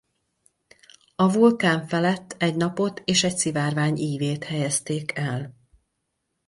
A vulkán felett egy napot és egy szivárvány ívét helyezték el.